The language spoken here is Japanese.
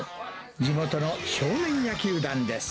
地元の少年野球団です。